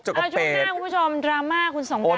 จุงหน้าคุณผู้ชมดราม่าคุณสองตัน